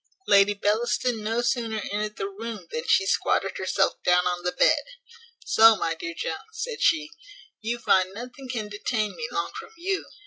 Lady Bellaston no sooner entered the room, than she squatted herself down on the bed: "So, my dear Jones," said she, "you find nothing can detain me long from you.